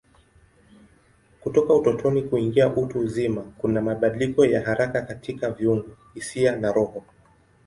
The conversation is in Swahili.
Kutoka utotoni kuingia utu uzima kuna mabadiliko ya haraka katika viungo, hisia na roho.